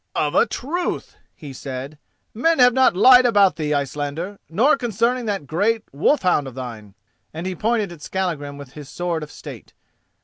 "Of a truth," he said, "men have not lied about thee, Icelander, nor concerning that great wolf hound of thine," and he pointed at Skallagrim with his sword of state.